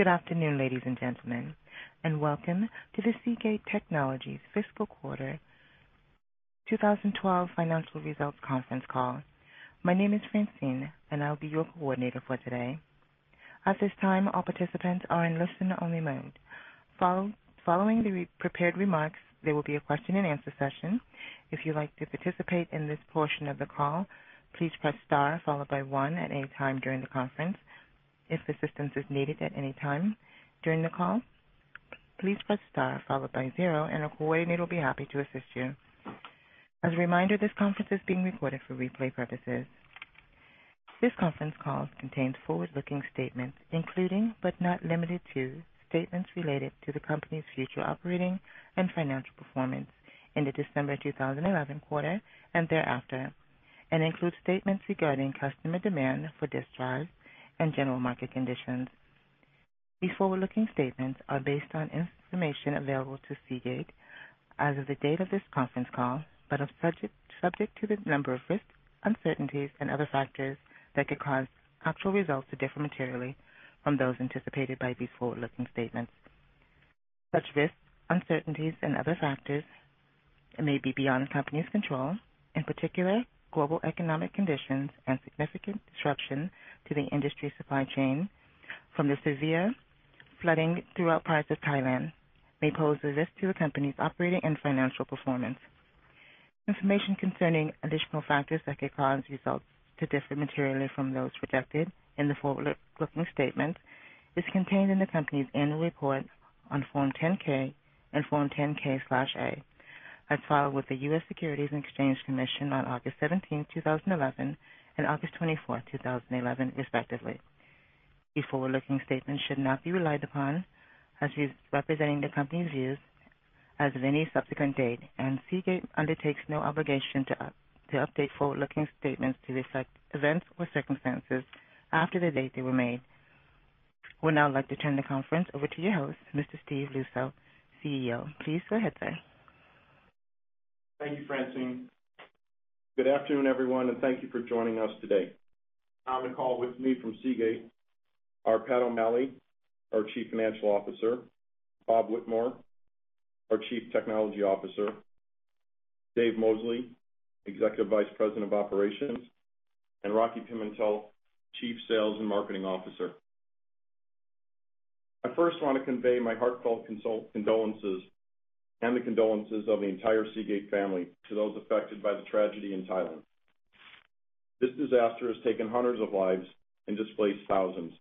Good afternoon, ladies and gentlemen, and welcome to the Seagate Technology Fiscal Quarter 2012 Financial Results Conference Call. My name is Francine, and I'll be your coordinator for today. At this time, all participants are in listener-only mode. Following the prepared remarks, there will be a question and answer session. If you'd like to participate in this portion of the call, please press star followed by one at any time during the conference. If assistance is needed at any time during the call, please press star followed by zero, and a coordinator will be happy to assist you. As a reminder, this conference is being recorded for replay purposes. This conference call contains forward-looking statements, including but not limited to statements related to the company's future operating and financial performance in the December 2011 quarter and thereafter, and includes statements regarding customer demand for data storage solutions and general market conditions. These forward-looking statements are based on information available to Seagate as of the date of this conference call, but are subject to a number of risks, uncertainties, and other factors that could cause actual results to differ materially from those anticipated by these forward-looking statements. Such risks, uncertainties, and other factors may be beyond the company's control. In particular, global economic conditions and significant disruption to the industry supply chain from the severe flooding throughout parts of Thailand may pose a risk to the company's operating and financial performance. Information concerning additional factors that could cause results to differ materially from those projected in the forward-looking statements is contained in the company's annual report on Form 10-K and Form 10-K/A as filed with the U.S. Securities and Exchange Commission on August 17th, 2011, and August 24th, 2011, respectively. These forward-looking statements should not be relied upon as representing the company's views as of any subsequent date, and Seagate undertakes no obligation to update forward-looking statements to reflect events or circumstances after the date they were made. We'd now like to turn the conference over to your host, Mr. Steve Luczo, CEO. Please go ahead, sir. Thank you, Francine. Good afternoon, everyone, and thank you for joining us today. On the call with me from Seagate are Pat O'Malley, our Chief Financial Officer, Bob Whitmore, our Chief Technology Officer, Dave Mosley, Executive Vice President of Operations, and Rocky Pimentel, Chief Sales and Marketing Officer. I first want to convey my heartfelt condolences and the condolences of the entire Seagate family to those affected by the tragedy in Thailand. This disaster has taken hundreds of lives and displaced thousands.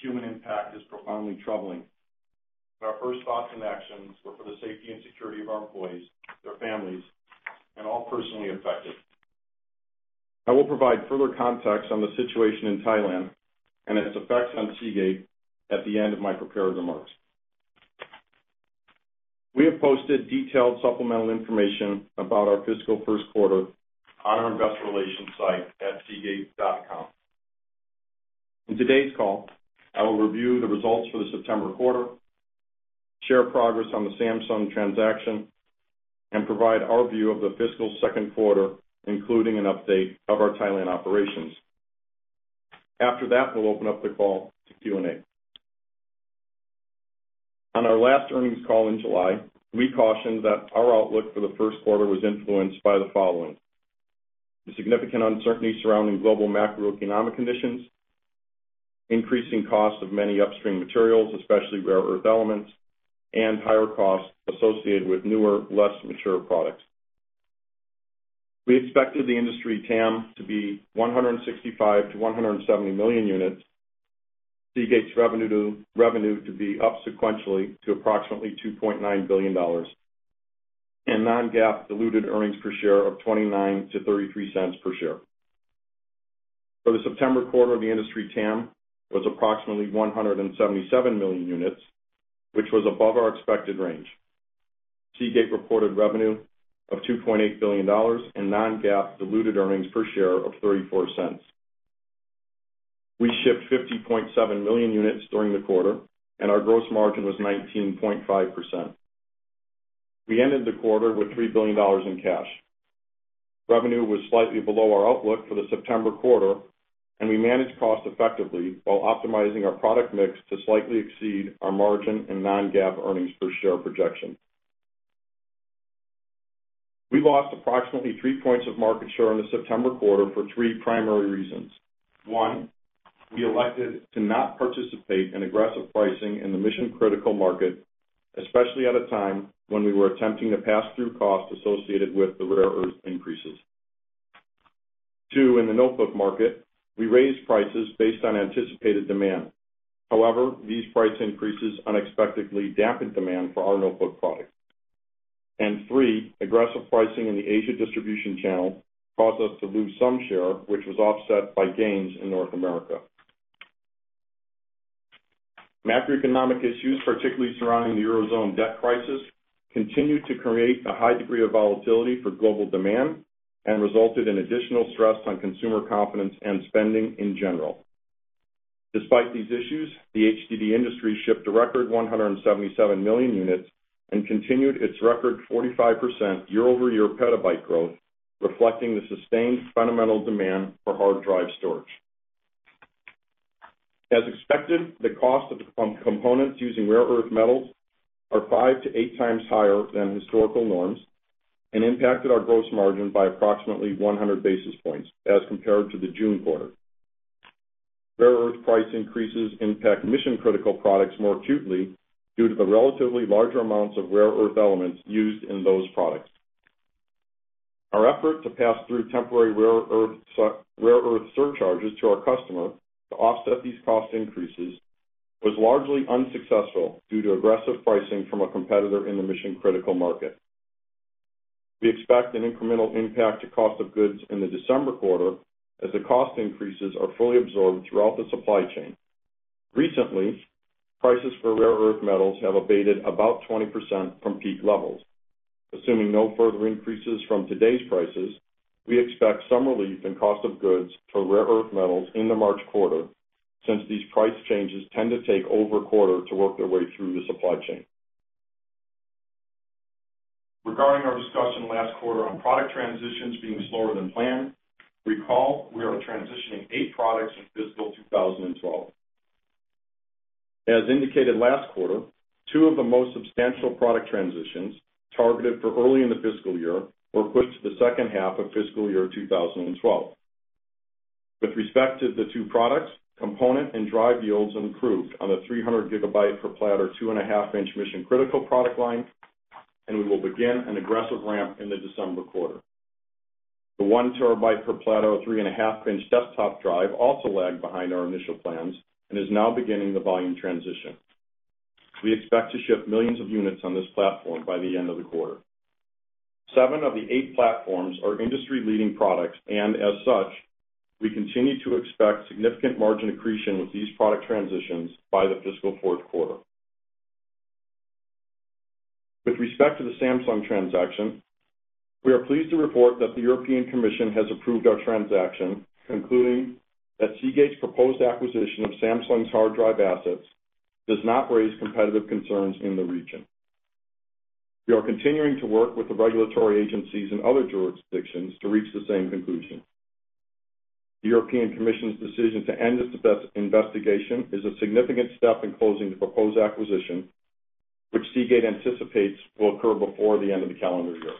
The human impact is profoundly troubling. Our first thoughts and actions were for the safety and security of our employees, their families, and all personally affected. I will provide further context on the situation in Thailand and its effects on Seagate at the end of my prepared remarks. We have posted detailed supplemental information about our fiscal first quarter on our investor relations site at seagate.com. In today's call, I will review the results for the September quarter, share progress on the Samsung transaction, and provide our view of the fiscal second quarter, including an update of our Thailand operations. After that, we'll open up the call to Q&A. On our last earnings call in July, we cautioned that our outlook for the first quarter was influenced by the following: the significant uncertainty surrounding global macroeconomic conditions, increasing costs of many upstream materials, especially rare earth elements, and higher costs associated with newer, less mature products. We expected the industry TAM to be 165 million units-170 million units, Seagate's revenue to be up sequentially to approximately $2.9 billion, and non-GAAP diluted earnings per share of $0.29-$0.33 per share. For the September quarter, the industry TAM was approximately 177 million units, which was above our expected range. Seagate reported revenue of $2.8 billion and non-GAAP diluted earnings per share of $0.34. We shipped 50.7 million units during the quarter, and our gross margin was 19.5%. We ended the quarter with $3 billion in cash. Revenue was slightly below our outlook for the September quarter, and we managed cost effectively while optimizing our product mix to slightly exceed our margin and non-GAAP earnings per share projection. We lost approximately three points of market share in the September quarter for three primary reasons. One, we elected to not participate in aggressive pricing in the mission-critical market, especially at a time when we were attempting to pass through costs associated with the rare earth increases. Two, in the notebook market, we raised prices based on anticipated demand. However, these price increases unexpectedly dampened demand for our notebook product. Three, aggressive pricing in the Asia distribution channel caused us to lose some share, which was offset by gains in North America. Macroeconomic issues, particularly surrounding the eurozone debt crisis, continued to create a high degree of volatility for global demand and resulted in additional stress on consumer confidence and spending in general. Despite these issues, the HDD industry shipped a record 177 million units and continued its record 45% year-over-year petabyte growth, reflecting the sustained fundamental demand for hard drive storage. As expected, the cost of the components using rare earth metals are 5x-8x higher than historical norms and impacted our gross margin by approximately 100 basis points as compared to the June quarter. Rare earth price increases impact mission-critical products more acutely due to the relatively larger amounts of rare earth elements used in those products. Our effort to pass through temporary rare earth surcharges to our customer to offset these cost increases was largely unsuccessful due to aggressive pricing from a competitor in the mission-critical market. We expect an incremental impact to cost of goods in the December quarter as the cost increases are fully absorbed throughout the supply chain. Recently, prices for rare earth metals have abated about 20% from peak levels. Assuming no further increases from today's prices, we expect some relief in cost of goods for rare earth metals in the March quarter since these price changes tend to take over a quarter to work their way through the supply chain. Regarding our discussion last quarter on product transitions being slower than planned, recall we are transitioning eight products in fiscal 2012. As indicated last quarter, two of the most substantial product transitions targeted for early in the fiscal year were pushed to the second half of fiscal year 2012. With respect to the two products, component and drive yields improved on the 300 GB per platter two and a half inch mission-critical product line, and we will begin an aggressive ramp in the December quarter. The 1 TB per platter 3.5 in desktop drive also lagged behind our initial plans and is now beginning the volume transition. We expect to ship millions of units on this platform by the end of the quarter. Seven of the eight platforms are industry-leading products, and as such, we continue to expect significant margin accretion with these product transitions by the fiscal fourth quarter. With respect to the Samsung transaction, we are pleased to report that the European Commission has approved our transaction, concluding that Seagate's proposed acquisition of Samsung's hard drive assets does not raise competitive concerns in the region. We are continuing to work with the regulatory agencies and other jurisdictions to reach the same conclusion. The European Commission's decision to end its investigation is a significant step in closing the proposed acquisition, which Seagate anticipates will occur before the end of the calendar year.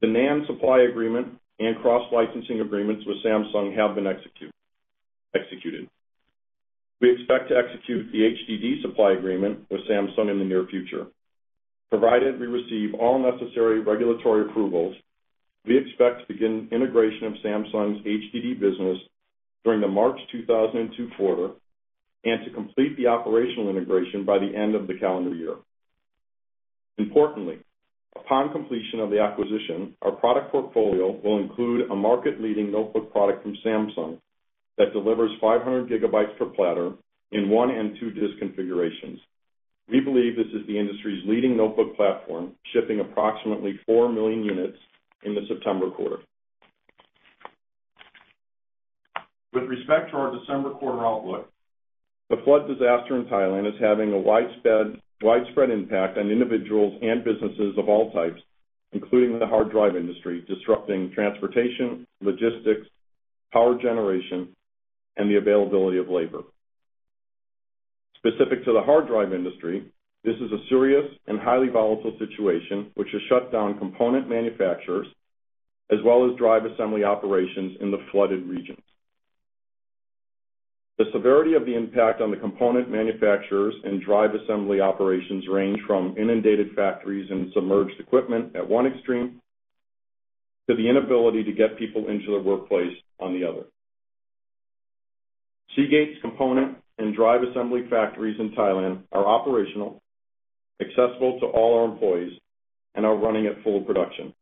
The NAND supply agreement and cross-licensing agreements with Samsung have been executed. We expect to execute the HDD supply agreement with Samsung in the near future. Provided we receive all necessary regulatory approvals, we expect to begin the integration of Samsung's HDD business during the March 2002 quarter and to complete the operational integration by the end of the calendar year. Importantly, upon completion of the acquisition, our product portfolio will include a market-leading notebook product from Samsung that delivers 500 GB per platter in one and two disk configurations. We believe this is the industry's leading notebook platform, shipping approximately 4 million units in the September quarter. With respect to our December quarter outlook, the flood disaster in Thailand is having a widespread impact on individuals and businesses of all types, including the hard drive industry, disrupting transportation, logistics, power generation, and the availability of labor. Specific to the hard drive industry, this is a serious and highly volatile situation which has shut down component manufacturers as well as drive assembly operations in the flooded regions. The severity of the impact on the component manufacturers and drive assembly operations ranges from inundated factories and submerged equipment at one extreme to the inability to get people into the workplace on the other. Seagate's component and drive assembly factories in Thailand are operational, accessible to all our employees, and are running at full production.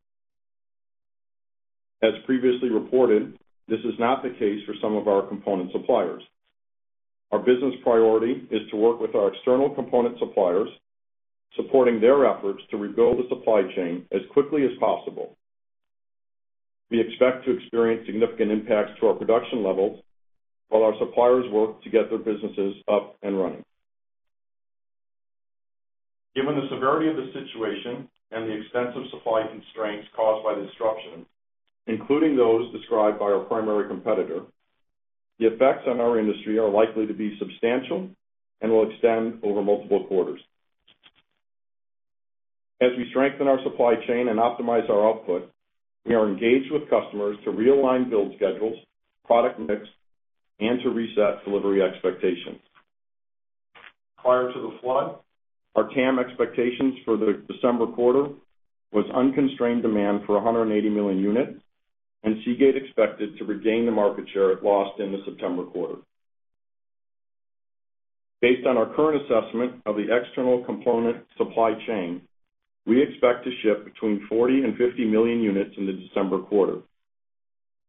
As previously reported, this is not the case for some of our component suppliers. Our business priority is to work with our external component suppliers, supporting their efforts to rebuild the supply chain as quickly as possible. We expect to experience significant impacts to our production levels while our suppliers work to get their businesses up and running. Given the severity of the situation and the extensive supply constraints caused by the disruption, including those described by our primary competitor, the effects on our industry are likely to be substantial and will extend over multiple quarters. As we strengthen our supply chain and optimize our output, we are engaged with customers to realign build schedules, product mix, and to reset delivery expectations. Prior to the flood, our TAM expectations for the December quarter were unconstrained demand for 180 million units, and Seagate expected to regain the market share it lost in the September quarter. Based on our current assessment of the external component supply chain, we expect to ship between 40 and 50 million units in the December quarter.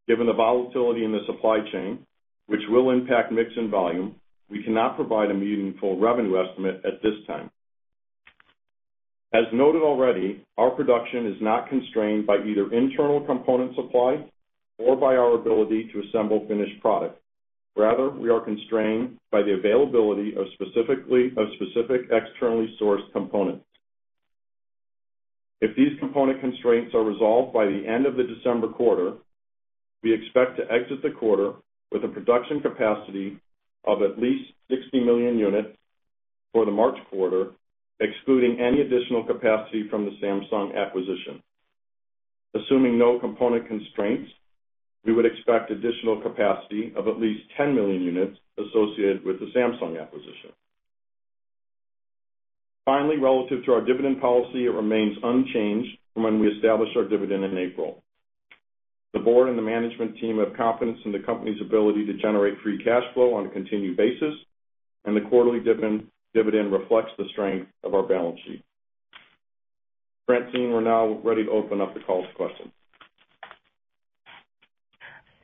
Given the volatility in the supply chain, which will impact mix and volume, we cannot provide a meaningful revenue estimate at this time. As noted already, our production is not constrained by either internal component supply or by our ability to assemble finished product. Rather, we are constrained by the availability of specific externally sourced components. If these component constraints are resolved by the end of the December quarter, we expect to exit the quarter with a production capacity of at least 60 million units for the March quarter, excluding any additional capacity from the Samsung acquisition. Assuming no component constraints, we would expect additional capacity of at least 10 million units associated with the Samsung acquisition. Finally, relative to our dividend policy, it remains unchanged from when we established our dividend in April. The board and the management team have confidence in the company's ability to generate free cash flow on a continued basis, and the quarterly dividend reflects the strength of our balance sheet. Francine, we're now ready to open up the call for questions.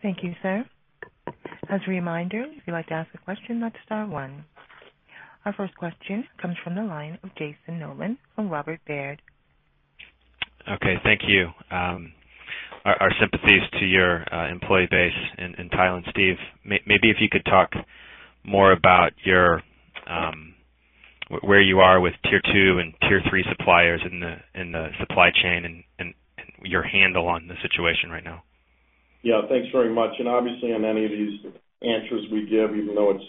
Thank you, sir. As a reminder, if you'd like to ask a question, that's star one. Our first question comes from the line of Jason Nolan from Robert W. Baird. Okay. Thank you. Our sympathies to your employee base in Thailand, Steve. Maybe if you could talk more about where you are with tier two and tier three suppliers in the supply chain and your handle on the situation right now. Yeah. Thanks very much. Obviously, in any of these answers we give, even though it's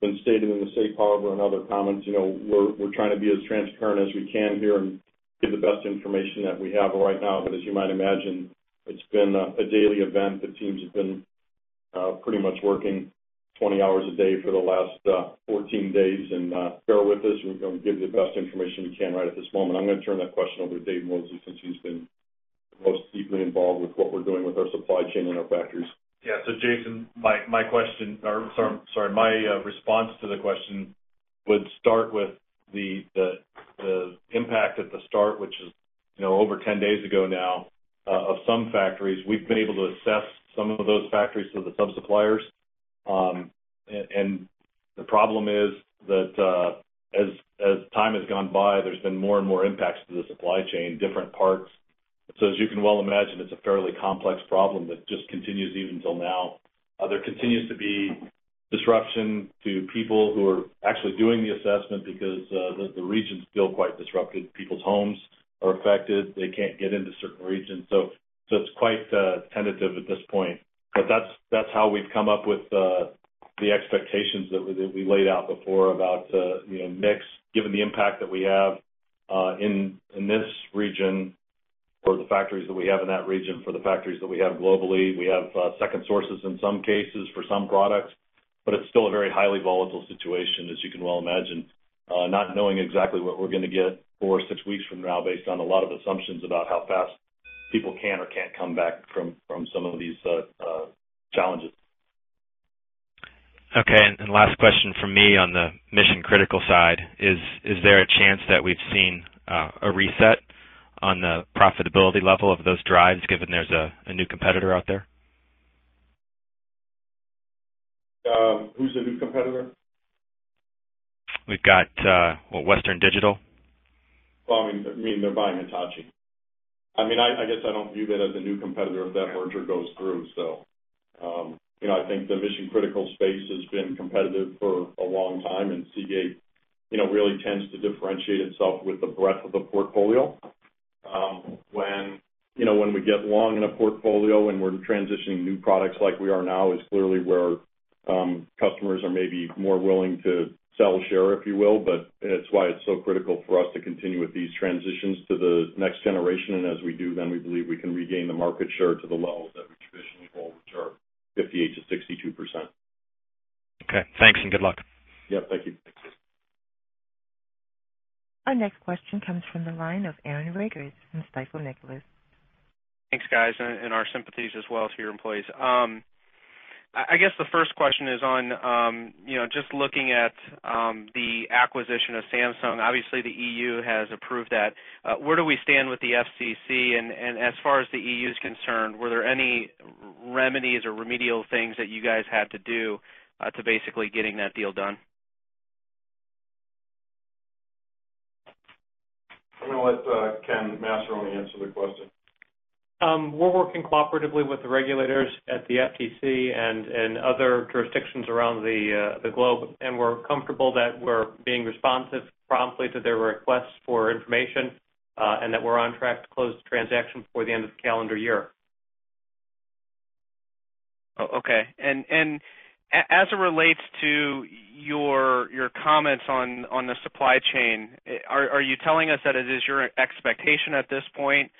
been stated in the safe harbor and other comments, you know we're trying to be as transparent as we can here and give the best information that we have right now. As you might imagine, it's been a daily event. The teams have been pretty much working 20 hours a day for the last 14 days. Bear with us. We're going to give you the best information we can right at this moment. I'm going to turn that question over to Dave Mosley since he's been the most deeply involved with what we're doing with our supply chain and our factories. Yeah. Jason, my response to the question would start with the impact at the start, which is, you know, over 10 days ago now, of some factories. We've been able to assess some of those factories to the sub-suppliers. The problem is that, as time has gone by, there's been more and more impacts to the supply chain, different parts. As you can well imagine, it's a fairly complex problem that just continues even until now. There continues to be disruption to people who are actually doing the assessment because the region's still quite disrupted. People's homes are affected. They can't get into certain regions. It's quite tentative at this point. That's how we've come up with the expectations that we laid out before about the mix, given the impact that we have in this region for the factories that we have in that region for the factories that we have globally. We have second sources in some cases for some products. It's still a very highly volatile situation, as you can well imagine, not knowing exactly what we're going to get four or six weeks from now based on a lot of assumptions about how fast people can or can't come back from some of these challenges. Okay. Last question from me on the mission-critical side. Is there a chance that we've seen a reset on the profitability level of those drives given there's a new competitor out there? Who's the new competitor? We've got, what, Western Digital? I mean they're buying Hitachi. I guess I don't view that as a new competitor if that merger goes through. The mission-critical space has been competitive for a long time, and Seagate really tends to differentiate itself with the breadth of the portfolio. When we get long in a portfolio and we're transitioning new products like we are now is clearly where customers are maybe more willing to sell share, if you will. That's why it's so critical for us to continue with these transitions to the next generation. As we do, then we believe we can regain the market share to the level that we traditionally hold, which are 58%-62%. Okay, thanks and good luck. Thank you. Our next question comes from the line of Aaron Rakers from Stifel Nicolaus. Thanks, guys, and our sympathies as well to your employees. I guess the first question is on, you know, just looking at the acquisition of the Samsung hard drive business. Obviously, the European Commission has approved that. Where do we stand with the FCC? As far as the European Commission is concerned, were there any remedies or remedial things that you guys had to do to basically get that deal done? I don't know what, Kenneth Massaroni answered the question. We're working cooperatively with the regulators at the FTC and other jurisdictions around the globe. We're comfortable that we're being responsive promptly to their requests for information, and that we're on track to close the transaction before the end of the calendar year. Okay. As it relates to your comments on the supply chain, are you telling us that it is your expectation at this point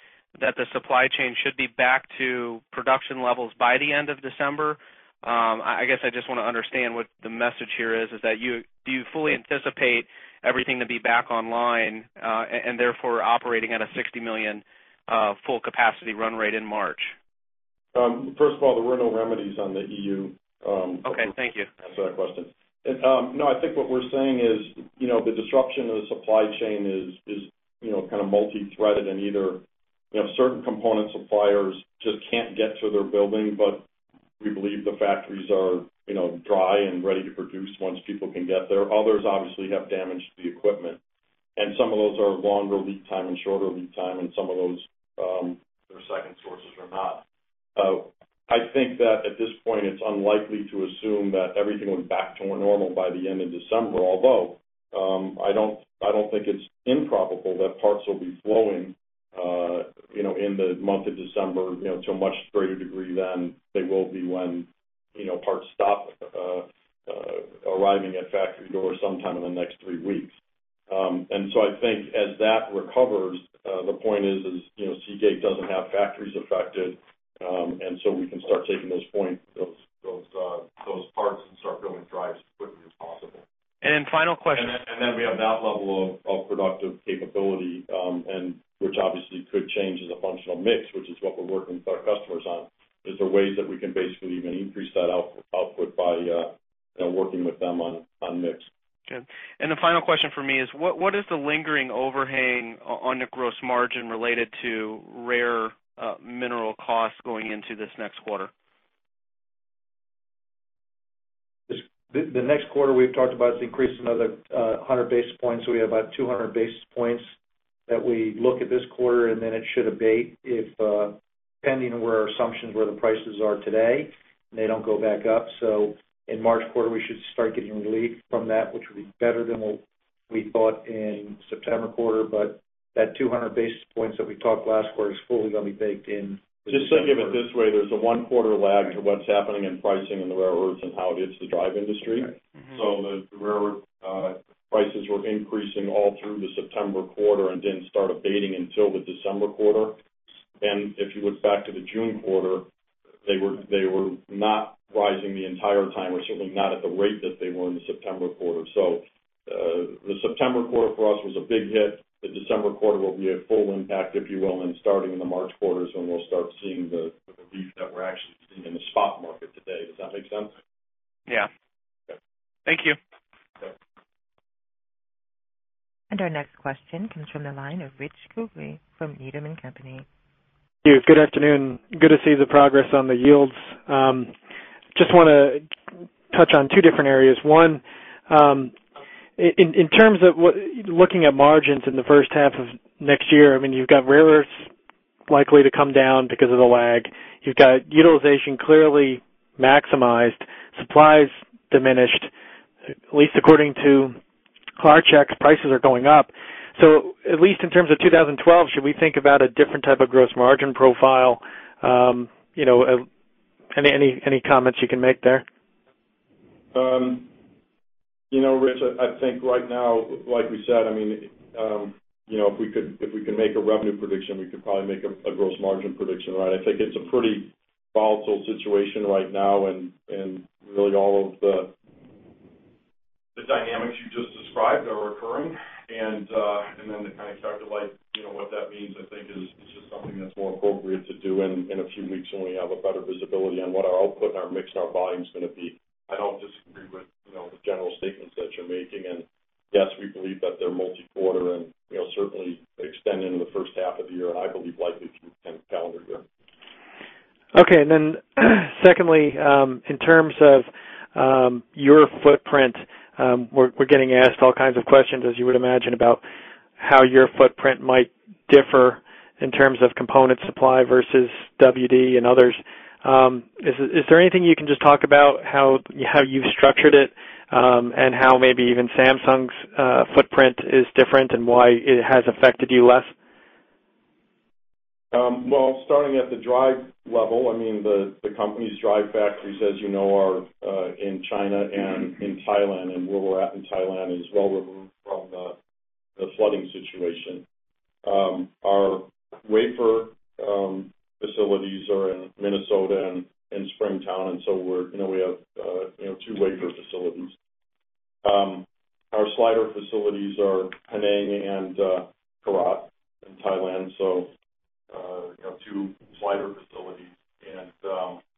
that the supply chain should be back to production levels by the end of December? I guess I just want to understand what the message here is. Do you fully anticipate everything to be back online, and therefore operating at a 60 million full-capacity run rate in March? First of all, there were no remedies on the European Commission. Okay, thank you. That's a question. No, I think what we're saying is, you know, the disruption in the supply chain is, you know, kind of multi-threaded in either, you know, certain component suppliers just can't get to their building, but we believe the factories are, you know, dry and ready to produce once people can get there. Others obviously have damaged the equipment. Some of those are longer lead time and shorter lead time, and some of those, their second sources are not. I think that at this point, it's unlikely to assume that everything would be back to normal by the end of December. Although, I don't think it's improbable that parts will be flowing, you know, in the month of December, you know, to a much greater degree than they will be when, you know, parts stop arriving at factory doors sometime in the next three weeks. I think as that recovers, the point is, you know, Seagate doesn't have factories affected, and so we can start taking those points, those parts and start building drives as quickly as possible. Final question. We have that level of productive capability, which obviously could change as a function of mix, which is what we're working with our customers on. Is there ways that we can basically even increase that output by, you know, working with them on mix. Final question for me is, what is the lingering overhang on the gross margin related to rare earth material costs going into this next quarter? The next quarter we've talked about is increasing another 100 basis points. We have about 200 basis points that we look at this quarter, and it should abate, pending where our assumptions where the prices are today, and they don't go back up. In March quarter, we should start getting relief from that, which would be better than what we thought in September quarter. That 200 basis points that we talked last quarter is fully going to be baked in. Just to give it this way, there's a one-quarter lag in what's happening in pricing in the rare earths and how it hits the drive industry. The rare earth prices were increasing all through the September quarter and didn't start abating until the December quarter. If you look back to the June quarter, they were not rising the entire time or certainly not at the rate that they were in the September quarter. The September quarter for us was a big hit. The December quarter will be a full impact, if you will. Starting in the March quarter is when we'll start seeing the relief that we're actually seeing in the spot market today. Does that make sense? Thank you. Our next question comes from the line of Rich Kugele from Needham & Company. Good afternoon. Good to see the progress on the yields. I just want to touch on two different areas. One, in terms of looking at margins in the first half of next year, I mean, you've got rare earths likely to come down because of the lag. You've got utilization clearly maximized, supplies diminished, at least according to Clark Checks, prices are going up. At least in terms of 2012, should we think about a different type of gross margin profile? You know, any comments you can make there? You know, Rich, I think right now, like we said, if we could, if we can make a revenue prediction, we could probably make a gross margin prediction, right? I think it's a pretty volatile situation right now, and really, all of the dynamics you just described are occurring. To kind of calculate what that means, I think is just something that's more appropriate to do in a few weeks when we have better visibility on what our output and our mix and our volume is going to be. I don't disagree with the general statements that you're making. Yes, we believe that they're multi-quarter and certainly extending into the first half of the year, and I believe likely through the calendar year. Okay. In terms of your footprint, we're getting asked all kinds of questions, as you would imagine, about how your footprint might differ in terms of component supply versus WD and others. Is there anything you can just talk about how you've structured it, and how maybe even Samsung's footprint is different and why it has affected you less? Starting at the drive level, the company's drive factories, as you know, are in China and in Thailand. We'll go out in Thailand as well. We're moving on the flooding situation. Our wafer facilities are in Minnesota and Springtown. We have two wafer facilities. Our slider facilities are Penang and Korat in Thailand, so two slider facilities.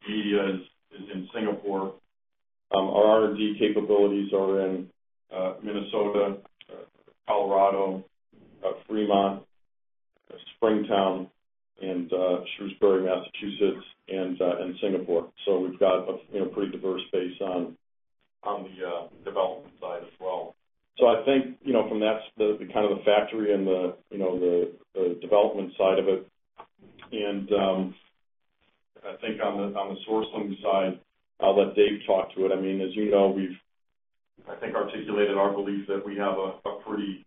Media is in Singapore. Our R&D capabilities are in Minnesota, Colorado, Fremont, Springtown, Shrewsbury, Massachusetts, and Singapore. We've got a pretty diverse base on the development side as well. I think from that, the factory and the development side of it. On the sourcing side, I'll let Dave talk to it. As you know, we've articulated our belief that we have a pretty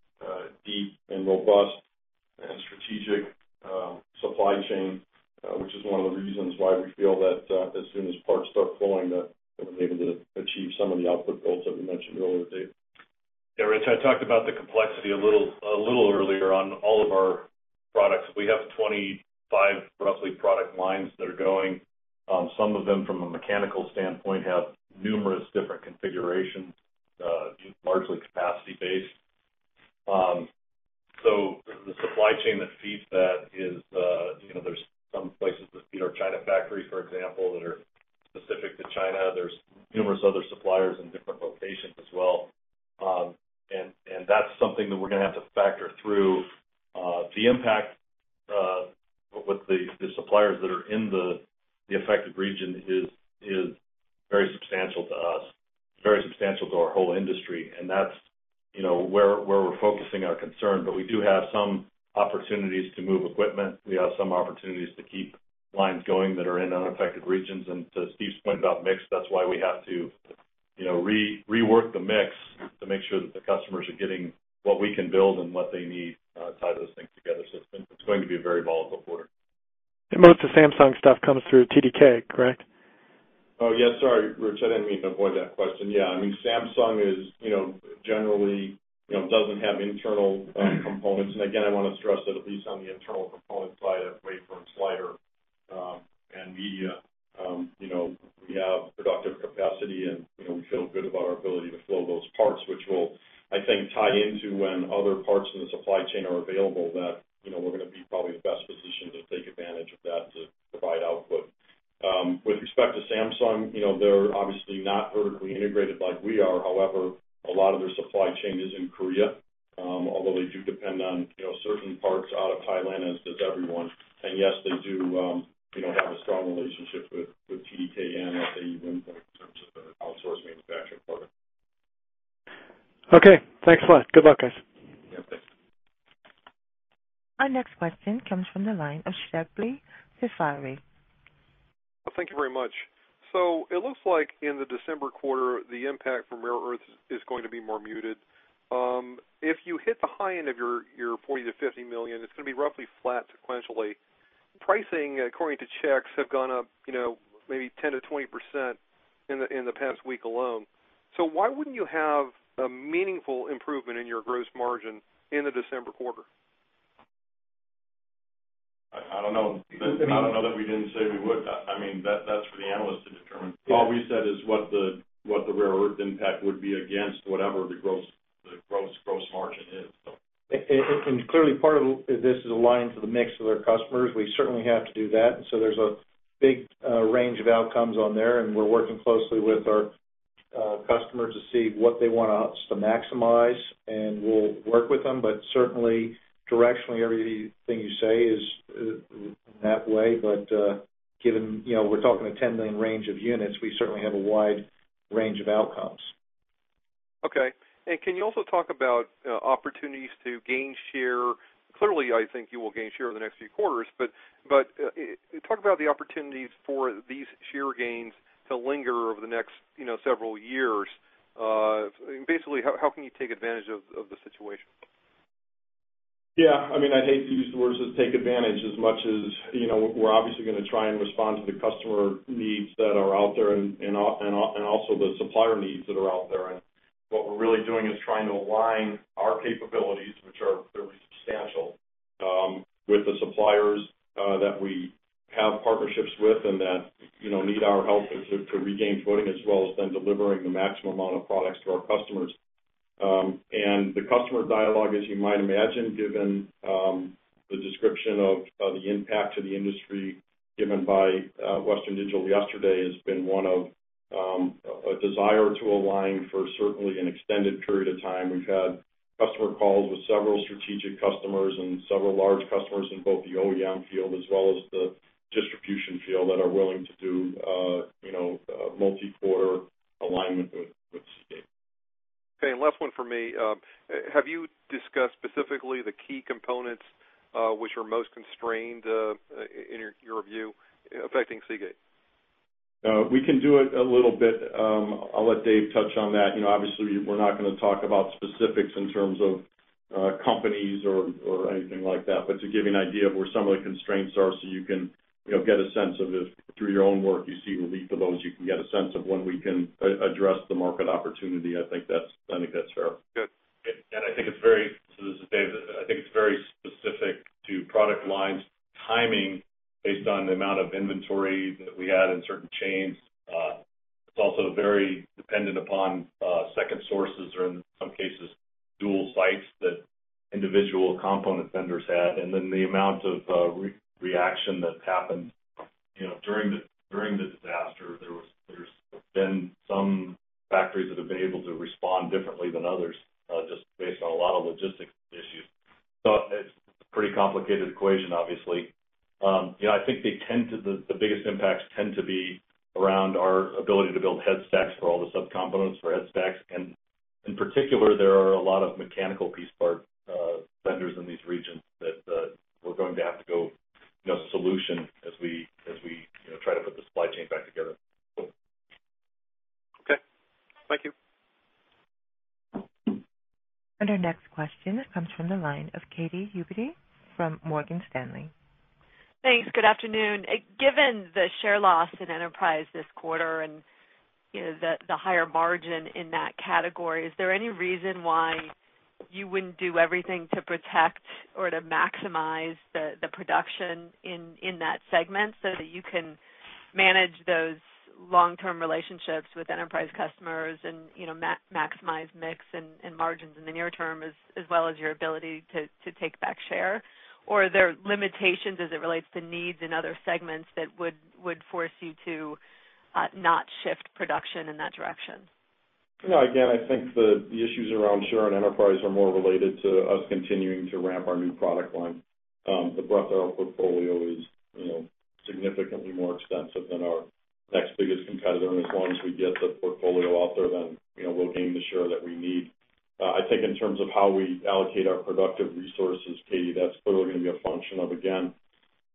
deep and robust and strategic supply chain, which is one of the reasons why we feel that as soon as parts start flowing, we're able to achieve some of the output goals that we mentioned earlier, Dave. Yeah, Rich, I talked about the complexity a little earlier on all of our products. We have roughly 25 product lines that are going. Some of them, from a mechanical standpoint, have numerous different configurations, largely capacity-based. The supply chain that feeds that is, you know, there's some places that feed our China factory, for example, that are specific to China. There's numerous other suppliers in different locations as well. That's something that we're going to have to factor through. The impact, what the suppliers that are in the affected region is, is very substantial to us, very substantial to our whole industry. That's where we're focusing our concern. We do have some opportunities to move equipment. We have some opportunities to keep lines going that are in unaffected regions. To Steve's point about mix, that's why we have to rework the mix to make sure that the customers are getting what we can build and what they need, tie those things together. It's going to be a very volatile quarter. Most of Samsung's stuff comes through TDK, correct? Oh, yeah. Sorry, Rich. I didn't mean to avoid that question. Yeah. I mean, Samsung is, you know, generally, you know, doesn't have internal components. I want to stress that at least on the internal component side of wafer, slider, and media, we have a productive capacity, and we feel good about our ability to flow those parts, which will, I think, tie into when other parts in the supply chain are available. We're going to be probably best positioned to take advantage of that to provide output. With respect to Samsung, they're obviously not vertically integrated like we are. However, a lot of their supply chain is in Korea, although they do depend on certain parts out of Thailand, as does everyone. Yes, they do have a strong relationship with TDK and FE Windsor. Okay, thanks a lot. Good luck, guys. Our next question comes from the line of [Unknown Speaker]. Thank you very much. It looks like in the December quarter, the impact from rare earths is going to be more muted. If you hit the high end of your 40 million-50 million, it's going to be roughly flat sequentially. Pricing, according to checks, has gone up, you know, maybe 10%-20% in the past week alone. Why wouldn't you have a meaningful improvement in your gross margin in the December quarter? I don't know. I don't know that we didn't say we would. I mean, that's for the analysts to determine. All we said is what the rare earth impact would be against whatever the gross margin is. Clearly, part of this is aligned to the mix of our customers. We certainly have to do that. There is a big range of outcomes on there. We are working closely with our customers to see what they want us to maximize, and we will work with them. Certainly, directionally, everything you say is in that way. Given we are talking a $10 million range of units, we certainly have a wide range of outcomes. Okay. Can you also talk about opportunities to gain share? Clearly, I think you will gain share over the next few quarters. Talk about the opportunities for these share gains to linger over the next several years. Basically, how can you take advantage of the situation? Yeah. I'd hate to use the words take advantage as much as, you know, we're obviously going to try and respond to the customer needs that are out there and also the supplier needs that are out there. What we're really doing is trying to align our capabilities, which are very substantial, with the suppliers that we have partnerships with and that need our help to regain footing, as well as then delivering the maximum amount of products to our customers. The customer dialogue, as you might imagine, given the description of the impact to the industry given by Western Digital yesterday, has been one of a desire to align for certainly an extended period of time. We've had customer calls with several strategic customers and several large customers in both the OEM field as well as the distribution field that are willing to do multi-quarter alignment with Seagate. Okay. Last one from me. Have you discussed specifically the key components which are most constrained, in your view affecting Seagate? We can do it a little bit. I'll let Dave touch on that. Obviously, we're not going to talk about specifics in terms of companies or anything like that. To give you an idea of where some of the constraints are so you can get a sense of if through your own work you see relief to those, you can get a sense of when we can address the market opportunity. I think that's fair. Good. I think it's very, so this is Dave. I think it's very specific to product lines, timing based on the amount of inventory that we had in certain chains. It's also very dependent upon second sources or in some cases, dual sites that individual component vendors had. Then the amount of reaction that's happened during the disaster. If there's been some factories that have been able to respond differently than others, just based on a lot of logistics issues. It's a pretty complicated equation, obviously. I think the biggest impacts tend to be around our ability to build head stacks for all the subcomponents for head stacks. In particular, there are a lot of mechanical piece parts vendors in these regions that we're going to have to go, you know, the solution as we try to put the supply chain back together. Okay, thank you. Our next question comes from the line of Katy Huberty from Morgan Stanley. Thanks. Good afternoon. Given the share loss in enterprise this quarter and the higher margin in that category, is there any reason why you wouldn't do everything to protect or to maximize the production in that segment so that you can manage those long-term relationships with enterprise customers and maximize mix and margins in the near term as well as your ability to take back share? Are there limitations as it relates to needs in other segments that would force you to not shift production in that direction? No. Again, I think the issues around share in enterprise are more related to us continuing to ramp our new product lines. The breadth of our portfolio is, you know, significantly more expensive than our next biggest competitor. As long as we get the portfolio out there, then, you know, we'll gain the share that we need. I think in terms of how we allocate our productive resources, Katie, that's clearly going to be a function of, again,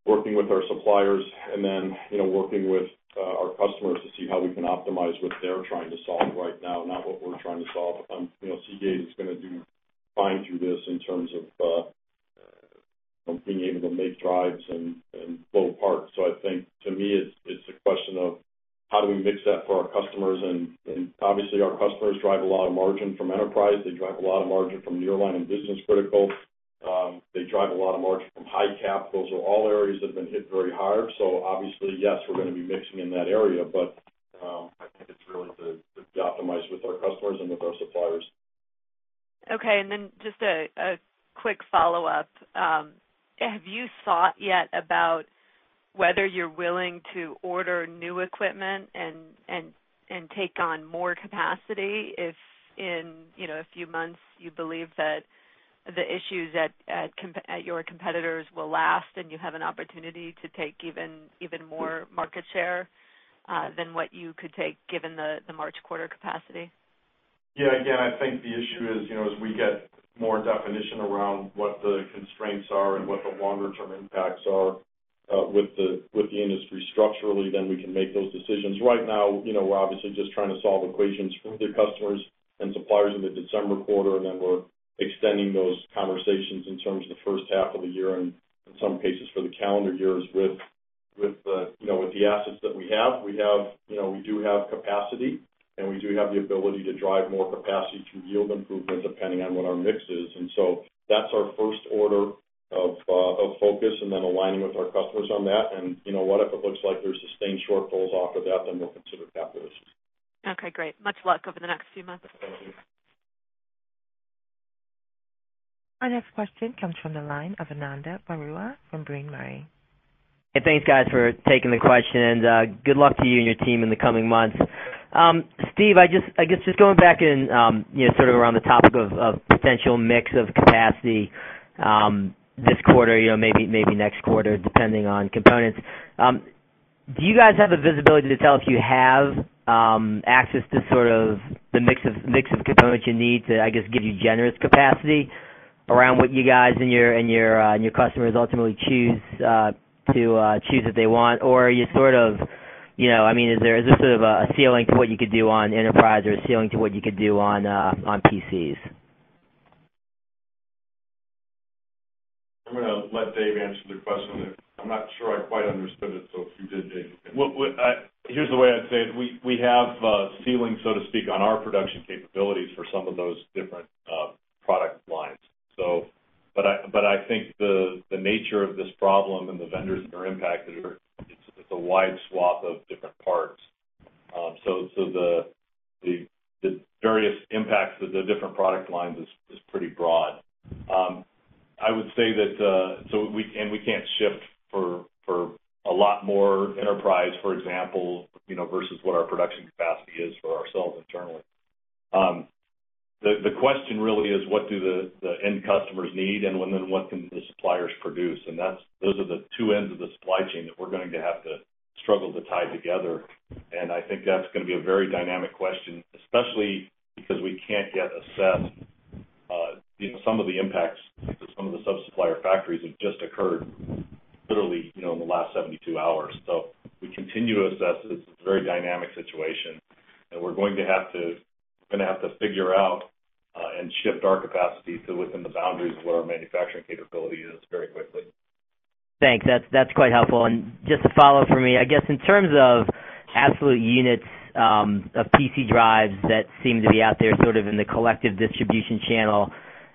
working with our suppliers and then, you know, working with our customers to see how we can optimize what they're trying to solve right now, not what we're trying to solve. You know, Seagate is going to do fine through this in terms of, you know, being able to make drives and blow the parts. I think, to me, it's the question of how do we mix that for our customers? Obviously, our customers drive a lot of margin from enterprise. They drive a lot of margin from nearline and business-critical. They drive a lot of margin from high cap. Those are all areas that have been hit very hard. Obviously, yes, we're going to be mixing in that area. I think it's really the optimize with our customers and with our suppliers. Okay. Just a quick follow-up. Have you thought yet about whether you're willing to order new equipment and take on more capacity if, in a few months, you believe that the issues at your competitors will last and you have an opportunity to take even more market share than what you could take given the March quarter capacity? Yeah, I think the issue is, as we get more definition around what the constraints are and what the longer-term impacts are with the industry structurally, then we can make those decisions. Right now, we're obviously just trying to solve equations for the customers and suppliers in the December quarter. We're extending those conversations in terms of the first half of the year and in some cases for the calendar years with the assets that we have. We do have capacity, and we do have the ability to drive more capacity through yield improvement depending on what our mix is. That's our first order of focus, aligning with our customers on that. If it looks like there's sustained shortfalls after that, then we'll consider that. Okay. Great. Much luck over the next few months. Thank you. Our next question comes from the line of Ananda Baruah from Brean Murray. Hey, thanks, guys, for taking the question. Good luck to you and your team in the coming months. Steve, I guess just going back in, you know, sort of around the topic of potential mix of capacity this quarter, maybe next quarter, depending on components. Do you guys have a visibility to tell if you have access to sort of the mix of components you need to, I guess, give you generous capacity around what you guys and your customers ultimately choose to choose that they want? Or are you sort of, you know, I mean, is there a ceiling to what you could do on enterprise or a ceiling to what you could do on PCs? I'm going to let Dave answer the question. I'm not sure I quite understood it, so if you did, Dave. Here's the way I'd say it. We have ceilings, so to speak, on our production capabilities for some of those different product lines. I think the nature of this problem and the vendors that are impacted are, it's a wide swath of different parts. The various impacts of the different product lines is pretty broad. I would say that we can't shift for a lot more enterprise, for example, versus what our production capacity is for ourselves internally. The question really is what do the end customers need and then what can the suppliers produce? Those are the two ends of the supply chain that we're going to have to struggle to tie together. I think that's going to be a very dynamic question, especially because we can't yet assess some of the impacts that some of the sub-supplier factories have just occurred literally in the last 72 hours. We continue to assess. It's a very dynamic situation, and we're going to have to figure out and shift our capacity within the boundaries of what our manufacturing capability is very quickly. Thanks. That's quite helpful. Just a follow-up for me, I guess in terms of absolute units of PC drives that seem to be out there in the collective distribution channel,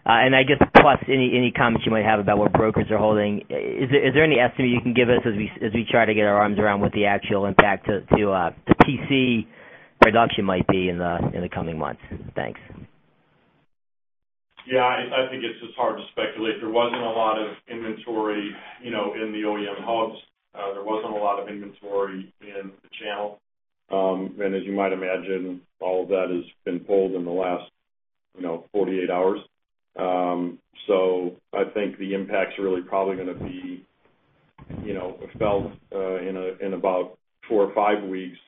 plus any comments you might have about what brokers are holding, is there any estimate you can give us as we try to get our arms around what the actual impact to the PC production might be in the coming months? Thanks. Yeah. I think it's hard to speculate. There wasn't a lot of inventory, you know, in the OEM hubs. There wasn't a lot of inventory in the channel, and as you might imagine, all of that has been pulled in the last, you know, 48 hours. I think the impacts are really probably going to be, you know, felt in about four or five weeks.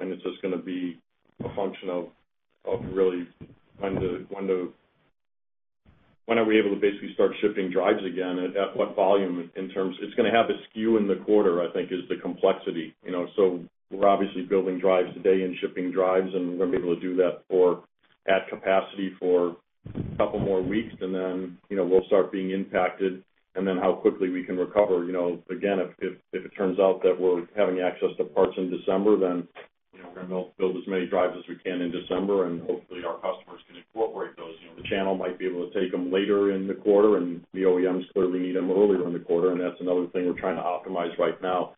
It's just going to be a function of really when are we able to basically start shipping drives again, at what volume. In terms, it's going to have a skew in the quarter, I think, is the complexity. We're obviously building drives today and shipping drives, and we're going to be able to do that at capacity for a couple more weeks. Then we'll start being impacted and then how quickly we can recover. Again, if it turns out that we're having access to parts in December, then we're going to be able to build as many drives as we can in December, and hopefully, our customers can incorporate those. The channel might be able to take them later in the quarter, and the OEMs clearly need them earlier in the quarter. That's another thing we're trying to optimize right now.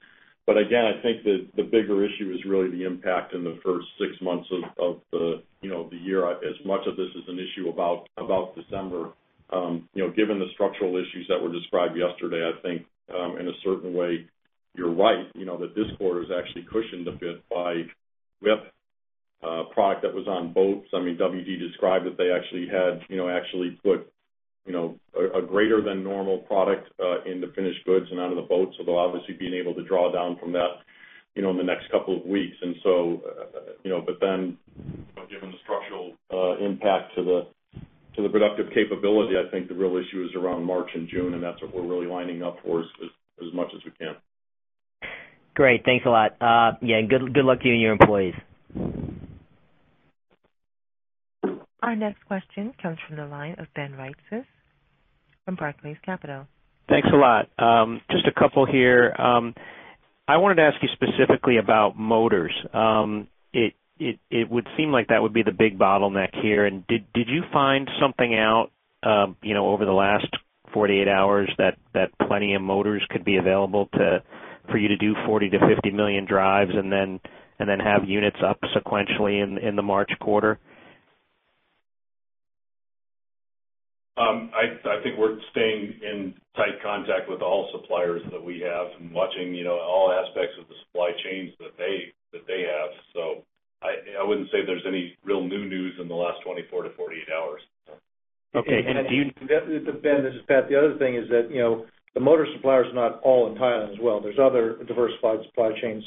Again, I think the bigger issue is really the impact in the first six months of the year. As much of this is an issue about December. Given the structural issues that were described yesterday, I think, in a certain way, you're right. The discord is actually cushioned a bit by we have a product that was on boats. I mean, WD described that they actually had, you know, actually put a greater than normal product into finished goods and out of the boats. They'll obviously be able to draw down from that in the next couple of weeks. Then, given the structural impact to the productive capability, I think the real issue is around March and June, and that's what we're really lining up for as much as we can. Great. Thanks a lot. Yeah, and good luck to you and your employees. Our next question comes from the line of Ben Reitzes from Barclays Capital. Thanks a lot. Just a couple here. I wanted to ask you specifically about motors. It would seem like that would be the big bottleneck here. Did you find something out over the last 48 hours that plenty of motors could be available for you to do 40 million-50 million drives and then have units up sequentially in the March quarter? I think we're staying in tight contact with all suppliers that we have and watching, you know, all aspects of the supply chains that they have. I wouldn't say there's any real new news in the last 24 hours-48 hours. Okay. Do you think that, Ben, this is Pat, the other thing is that, you know, the motor suppliers are not all in Thailand as well. There are other diversified supply chains.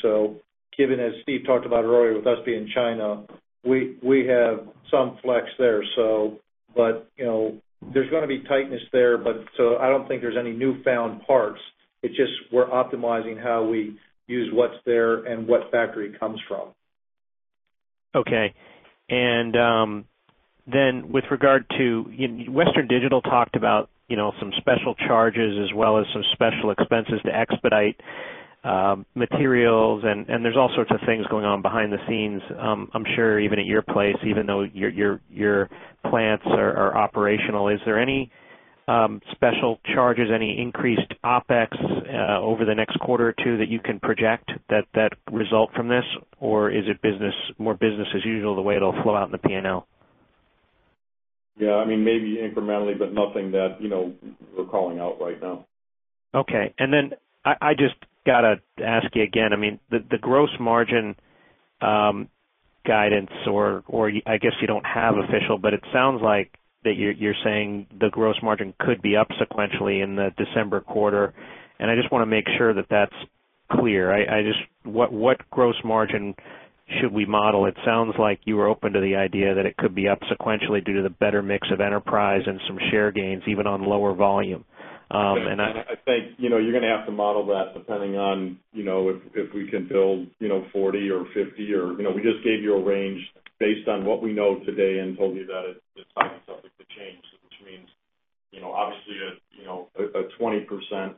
Given, as Steve talked about earlier, with us being China, we have some flex there. You know, there's going to be tightness there. I don't think there's any newfound parts. It's just we're optimizing how we use what's there and what factory it comes from. Okay. With regard to, you know, Western Digital talked about some special charges as well as some special expenses to expedite materials. There's all sorts of things going on behind the scenes. I'm sure even at your place, even though your plants are operational, is there any special charges, any increased OpEx over the next quarter or two that you can project that result from this? Or is it more business as usual the way it'll flow out in the P&L? Yeah, I mean, maybe incrementally, but nothing that we're calling out right now. Okay. I just got to ask you again. I mean, the gross margin guidance, or I guess you don't have official, but it sounds like you're saying the gross margin could be up sequentially in the December quarter. I just want to make sure that that's clear. What gross margin should we model? It sounds like you were open to the idea that it could be up sequentially due to the better mix of enterprise and some share gains, even on lower volume. I think you're going to have to model that depending on if we can build 40 or 50, or we just gave you a range based on what we know today and told you that it's not something to change. Obviously, a 20%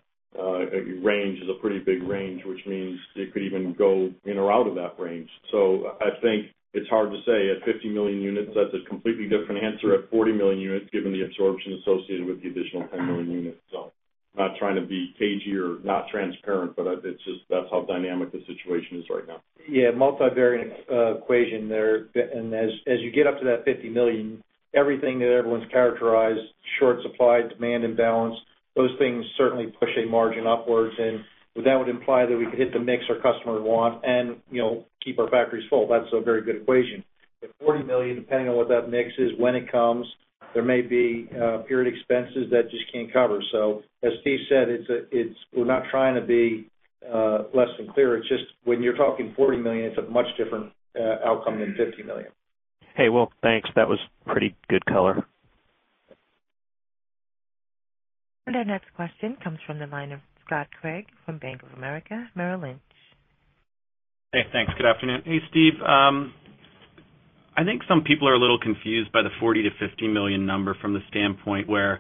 range is a pretty big range, which means it could even go in or out of that range. I think it's hard to say. At 50 million units, that's a completely different answer. At 40 million units, given the absorption associated with the additional 10 million units, I'm not trying to be cagey or not transparent, but that's how dynamic the situation is right now. Yeah. Multivariate equation there. As you get up to that 50 million, everything that everyone's characterized, short supply, demand imbalance, those things certainly push a margin upwards. That would imply that we could hit the mix our customers want and, you know, keep our factories full. That's a very good equation. At 40 million, depending on what that mix is, when it comes, there may be period expenses that just can't cover. As Steve said, we're not trying to be less than clear. It's just when you're talking 40 million, it's a much different outcome than 50 million. Hey, thanks. That was pretty good color. Our next question comes from the line of Scott Craig from Bank of America Merrill Lynch. Hey, thanks. Good afternoon. Hey, Steve. I think some people are a little confused by the 40 million-50 million number from the standpoint where,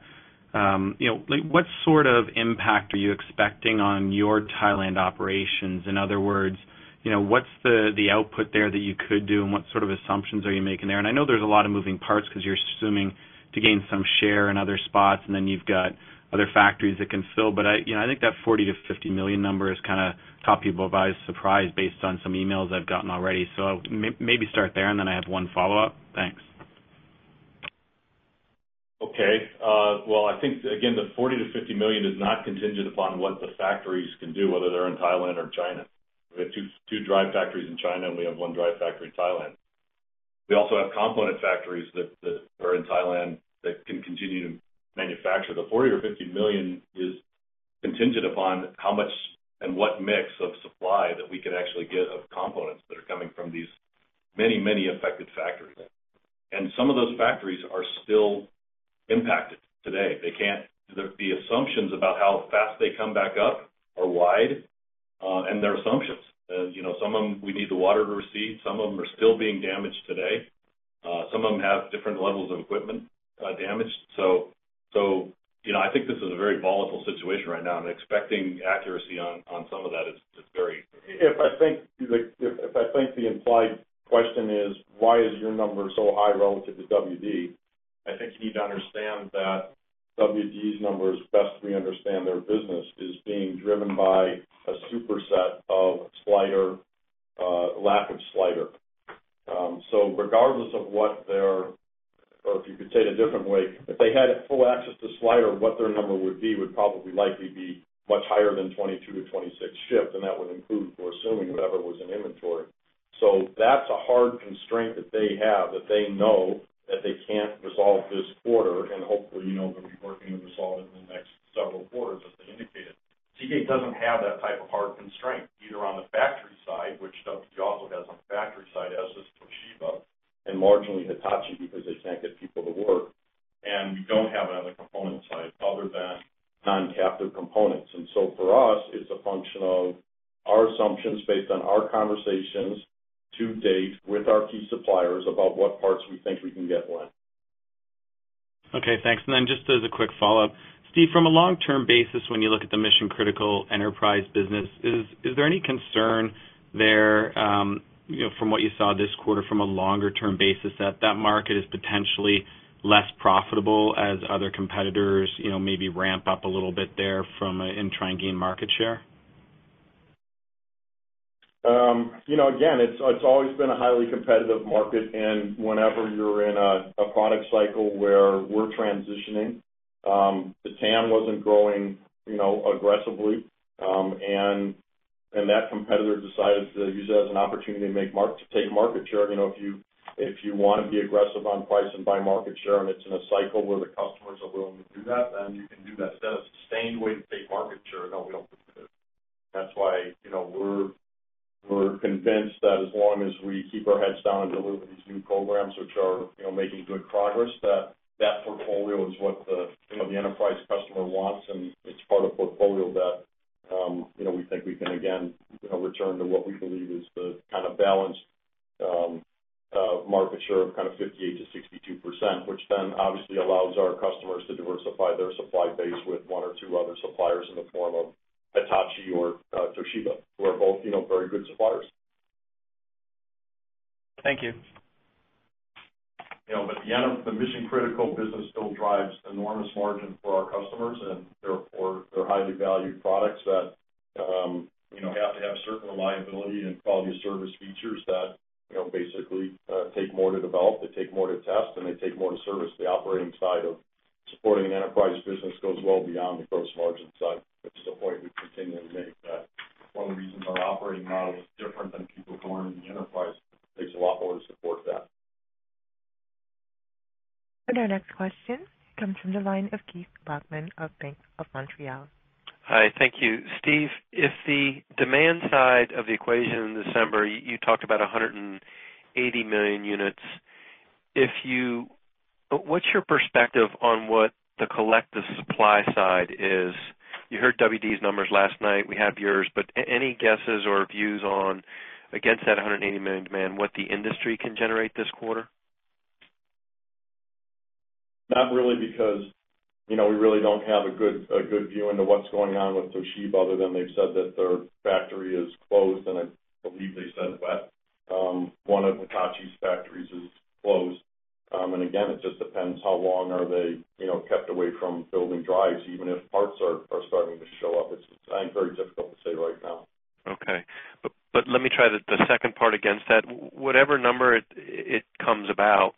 you know, like what sort of impact are you expecting on your Thailand operations? In other words, what's the output there that you could do and what sort of assumptions are you making there? I know there's a lot of moving parts because you're assuming to gain some share in other spots, and then you've got other factories that can fill. I think that 40 million-50 million number has kind of caught people by surprise based on some emails I've gotten already. Maybe start there, and then I have one follow-up. Thanks. Okay. I think, again, the 40 million-50 million is not contingent upon what the factories can do, whether they're in Thailand or China. We have two drive factories in China, and we have one drive factory in Thailand. We also have component factories that are in Thailand that can continue to manufacture. The 40 million or 50 million is contingent upon how much and what mix of supply that we can actually get of components that are coming from these many, many affected factories. Some of those factories are still impacted today. They can't. The assumptions about how fast they come back up are wide, and they're assumptions. You know, some of them we need the water to recede. Some of them are still being damaged today. Some of them have different levels of equipment damaged. I think this is a very volatile situation right now. Expecting accuracy on some of that is very. If I think the implied question is, why is your number so high relative to WD? I think you need to understand that WD's numbers, best we understand their business, is being driven by a superset of slider, lappage slider. Regardless of what their, or if you could say it a different way, if they had full access to slider, what their number would be would probably likely be much higher than 22-26 shifts. That would include assuming whoever was in inventory. That's a hard constraint that they have that they know that they can't resolve this quarter. Hopefully, they'll be working to resolve it in the next several quarters as they indicated. Seagate doesn't have that type of hard constraint either on the factory side, which WD also has on the factory side as does Toshiba and marginally Hitachi because they can't get people to order. We don't have another component side other than non-captive components. For us, it's a function of our assumptions based on our conversations to date with our key suppliers about what parts we think we can get when. Okay. Thanks. Just as a quick follow-up, Steve, from a long-term basis, when you look at the mission-critical enterprise business, is there any concern there from what you saw this quarter from a longer-term basis that that market is potentially less profitable as other competitors maybe ramp up a little bit there in trying to gain market share? It's always been a highly competitive market. Whenever you're in a product cycle where we're transitioning, the TAM wasn't going aggressively, and that competitor decided to use it as an opportunity to take market share. If you want to be aggressive on price and buy market share and it's in a cycle where the customers are willing to do that, then you can do that. That's the same way to take market share in that way of the quarter. That's why we're convinced that as long as we keep our heads down and deliver these new programs, which are making good progress, that portfolio is what the enterprise customer wants. It's part of the portfolio that we think we can, again, return to what we believe is the kind of balanced market share, kind of 58%-62%, which then obviously allows our customers to diversify their supply base with one or two other suppliers in the form of Hitachi or Toshiba, who are both very good suppliers. Thank you. The end of the mission-critical business still drives enormous margins for our customers. Therefore, they're highly valued products that have to have certain reliability and quality of service features that basically take more to develop, take more to test, and take more to service. The operating side of supporting an enterprise business goes well beyond the gross margin side. That's the point we continue to make, that one of the reasons our operating model is different than people going into the enterprise is it takes a lot more to support that. Our next question comes from the line of Keith Bachman of Bank of Montreal. Hi. Thank you. Steve, if the demand side of the equation in December, you talked about 180 million units. If you, what's your perspective on what the collective supply side is? You heard WD's numbers last night. We have yours. Any guesses or views on, against that 180 million demand, what the industry can generate this quarter? Not really because, you know, we really don't have a good view into what's going on with Toshiba other than they've said that their factory is closed. I believe they said that one of Hitachi's factories is closed. It just depends how long are they, you know, kept away from building drives. Even if parts are starting to show up, it's very difficult to say right now. Okay. Let me try the second part against that. Whatever number it comes about,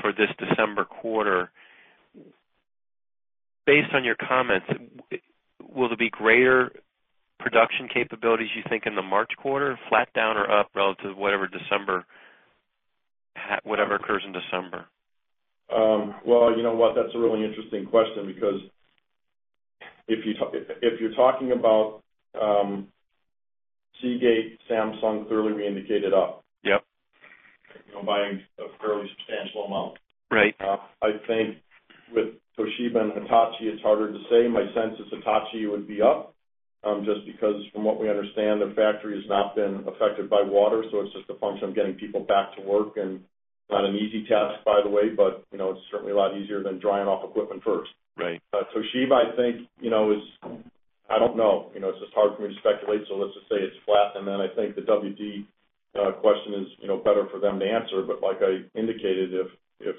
for this December quarter, based on your comments, will there be greater production capabilities you think in the March quarter, flat, down, or up relative to whatever occurs in December? That's a really interesting question because if you're talking about Seagate, Samsung clearly re-indicated up. Yep. You know, buying a fairly substantial amount. Right. I think with Toshiba and Hitachi, it's harder to say. My sense is Hitachi would be up, just because from what we understand, their factory has not been affected by water. It's just a function of getting people back to work. It's not an easy task, by the way, but you know, it's certainly a lot easier than drying off equipment first. Right. Toshiba, I think, is, I don't know. It's just hard for me to speculate. Let's just say it's flat. I think the WD question is better for them to answer. Like I indicated, if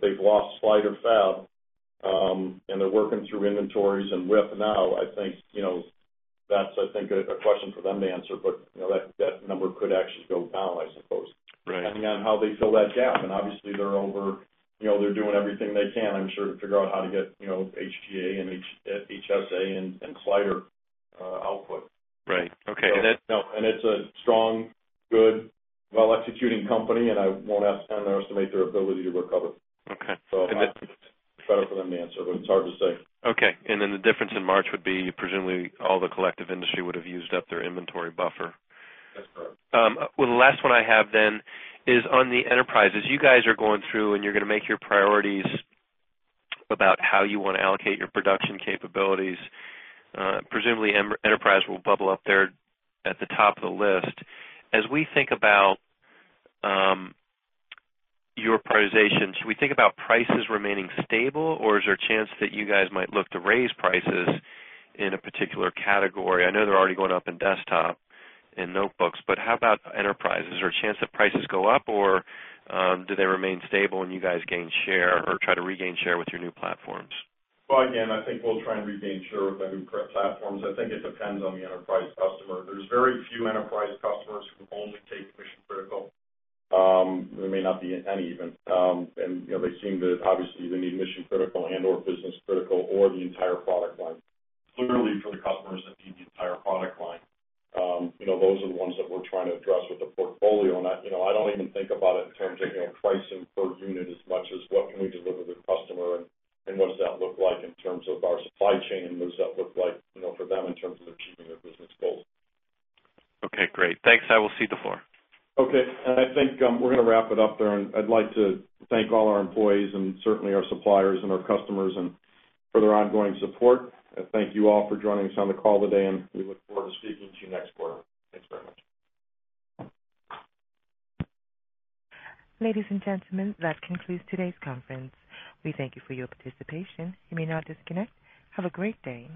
they've lost slider fab and they're working through inventories and WIP now, I think that's a question for them to answer. That number could actually go down, I suppose. Right. Depending on how they fill that gap, they're doing everything they can, I'm sure, to figure out how to hit HPA and HSA and slider output. Right. Okay. It's a strong, good, well-executing company. I won't underestimate their ability to recover. Okay. I think it's better for them to answer, but it's hard to say. Okay. The difference in March would be presumably all the collective industry would have used up their inventory buffer. The last one I have is on the enterprises. You guys are going through and you're going to make your priorities about how you want to allocate your production capabilities. Presumably, enterprise will bubble up there at the top of the list. As we think about your prioritization, should we think about prices remaining stable, or is there a chance that you guys might look to raise prices in a particular category? I know they're already going up in desktop and notebooks, but how about enterprise? Is there a chance that prices go up, or do they remain stable and you guys gain share or try to regain share with your new platforms? I think we'll try and regain share with our new current platforms. I think it depends on the enterprise customer. There's very few enterprise customers who only take mission-critical. There may not be any even. You know, they seem to obviously either need mission-critical and/or business-critical or the entire product line. Clearly, for the customers that need the entire product line, those are the ones that we're trying to address with the portfolio. I don't even think about it in terms of pricing per unit as much as what can we deliver to the customer and what does that look like in terms of our supply chain and what does that look like for them in terms of achieving their business goals. Okay. Great. Thanks. I will cede the floor. Okay. I think we're going to wrap it up there. I'd like to thank all our employees and certainly our suppliers and our customers for their ongoing support. I thank you all for joining us on the call today, and we look forward to speaking to you next quarter. Thanks very much. Ladies and gentlemen, that concludes today's conference. We thank you for your participation. You may now disconnect. Have a great day.